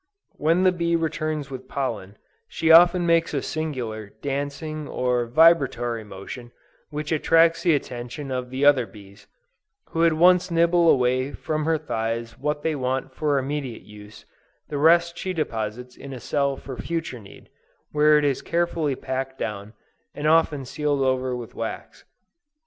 When the bee returns with pollen, she often makes a singular, dancing or vibratory motion, which attracts the attention of the other bees, who at once nibble away from her thighs what they want for immediate use; the rest she deposits in a cell for future need, where it is carefully packed down, and often sealed over with wax.